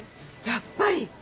やっぱり！